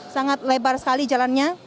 sangat lebar sekali jalannya